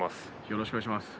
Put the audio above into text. よろしくお願いします。